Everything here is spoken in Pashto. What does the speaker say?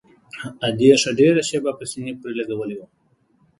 ادې ښه ډېره شېبه په سينې پورې لګولى وم.